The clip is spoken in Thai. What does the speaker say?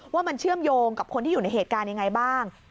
ว่ามันเชื่อมโยงกับคนที่อยู่ในเหตุการณ์ยังไงบ้าง